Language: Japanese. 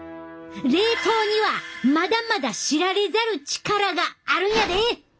冷凍にはまだまだ知られざる力があるんやで！